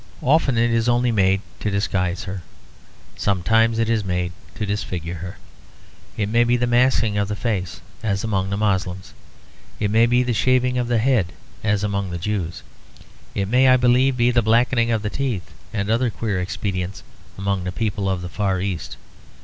Often it is only made to disguise her; sometimes it is made to disfigure her. It may be the masking of the face as among the Moslems; it may be the shaving of the head as among the Jews; it may, I believe, be the blackening of the teeth and other queer expedients among the people of the Far East.